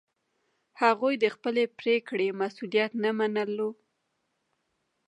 هغوی د خپلې پرېکړې مسوولیت نه منلو.